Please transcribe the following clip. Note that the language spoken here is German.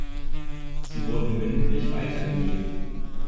Sie wurden mündlich weitergegeben.